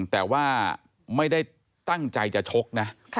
แต่ว่าไม่ได้ตั้งใจจะชกนะ